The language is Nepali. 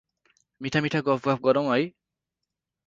मिठा मिठा गफगाफ गरौँ है।